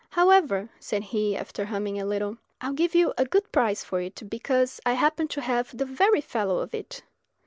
However," said he, after humming a little, "I will give you a good price for it, because I happen to have the very fellow of it."